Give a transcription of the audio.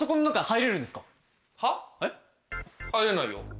入れないよ。